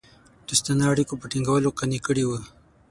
دوستانه اړېکو په ټینګولو قانع کړي وه.